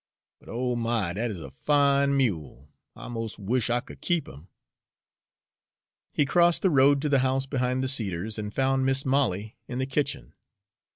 But, oh my, dat is a fine mule! I mos' wush I could keep 'im." He crossed the road to the house behind the cedars, and found Mis' Molly in the kitchen.